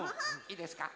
いいですか？